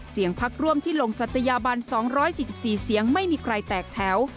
เสียงพักร่วมที่ลงศัตยาบัน๒๔๔เสียงไม่มีใครแตกแถว